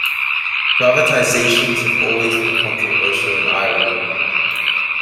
Privatisations have always been controversial in Ireland.